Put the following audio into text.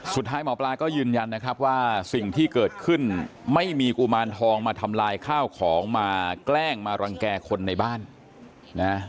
สุดท้ายหมอปลาก็ยืนยันนะครับว่าสิ่งที่เกิดขึ้นไม่มีกุมารทองมาทำลายข้าวของมาแกล้งมารังแก่คนในบ้านนะ